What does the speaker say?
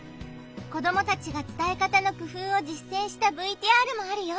子どもたちが伝え方の工夫を実践したＶＴＲもあるよ！